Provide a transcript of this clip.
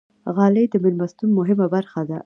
غالۍ د میلمستون مهمه برخه ده.